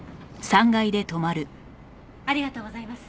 ありがとうございます。